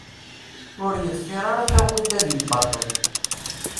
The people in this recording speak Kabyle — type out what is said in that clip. Ur yeḍfir ara taɣult-a deg lbaṭṭel.